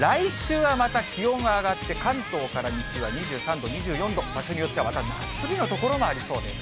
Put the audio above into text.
ただ、来週はまた気温が上がって、関東から西は２３度、２４度、場所によってはまた夏日の所がありそうです。